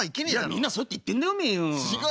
みんなそうやって行ってんだおめえよう。